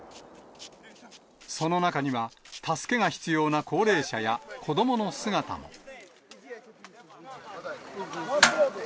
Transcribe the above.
その中には、助けが必要な高齢者や子どもの姿も。